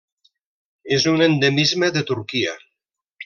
És un endemisme de Turquia.